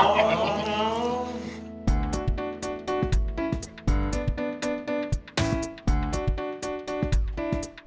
sok ya karna